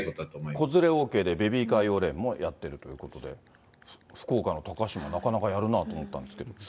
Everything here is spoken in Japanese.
子連れＯＫで、ベビーカー用レーンもやっているということで、福岡の高島、なかなかやるなと思ったんですけど。